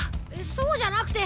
そうじゃなくて。